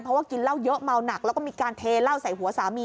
เพราะว่ากินเหล้าเยอะเมาหนักแล้วก็มีการเทเหล้าใส่หัวสามี